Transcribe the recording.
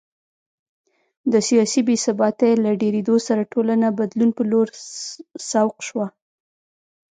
د سیاسي بې ثباتۍ له ډېرېدو سره ټولنه بدلون په لور سوق شوه